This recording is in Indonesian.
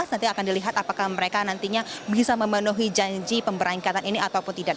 nanti akan dilihat apakah mereka nantinya bisa memenuhi janji pemberangkatan ini ataupun tidak